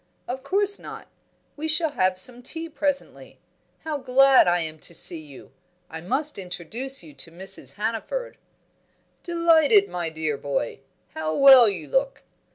"Of course not. We shall have some tea presently. How glad I am to see you! I must introduce you to Mrs. Hannaford." "Delighted, my dear boy! How well you look!